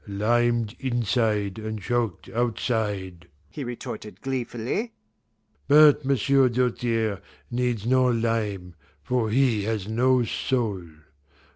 "Limed inside and chalked outside," he retorted gleefully. "But M'sieu' Doltaire needs no lime, for he has no soul.